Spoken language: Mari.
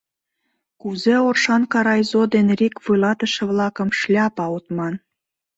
Кузе Оршанка райзо ден рик вуйлатыше-влакым «шляпа» от ман?